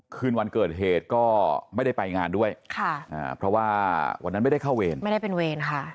คืนวันเกิดเหตุก็ไม่ได้ไปงานด้วยค่ะอ่าเพราะว่าวันนั้นไม่ได้เข้าเวรไม่ได้เป็นเวรค่ะ